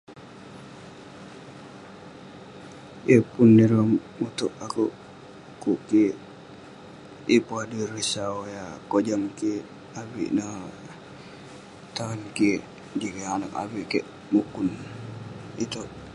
yeng pun ireh mutouk akouk pu'kuk kik ,yeng adui ireh sau yah kojam kik, avik neh tan kik jin kik anag avik keik mukun itouk